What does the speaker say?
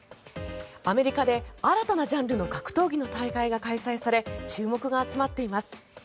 アメリカで新たなジャンルの格闘技の大会が開催され注目が集まっています。